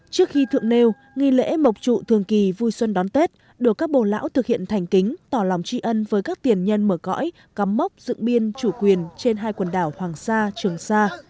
trước khi thượng nêu nghi lễ mộc trụ thường kỳ vui xuân đón tết đồ các bồ lão thực hiện thành kính tỏ lòng tri ân với các tiền nhân mở cõi cắm mốc dựng biên chủ quyền trên hai quần đảo hoàng sa trường sa